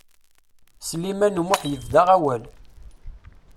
Sliman U Muḥ yebda awal.